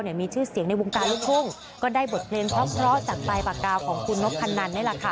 มีชื่อเสียงในวงการลูกทุ่งก็ได้บทเพลงเพราะจากปลายปากกาวของคุณนพนันนี่แหละค่ะ